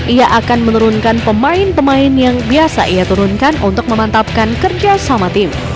ia akan menurunkan pemain pemain yang biasa ia turunkan untuk memantapkan kerja sama tim